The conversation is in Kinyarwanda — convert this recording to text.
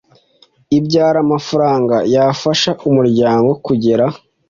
ibyara amafaranga yafasha umuryango kugera